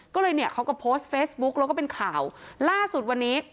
ก็เลยเนี่ยเขาก็โพสต์เฟซบุ๊กแล้วก็เป็นข่าวล่าสุดวันนี้